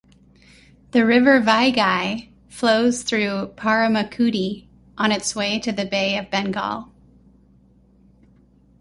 The river Vaigai flows through Paramakudi on its way to the Bay of Bengal.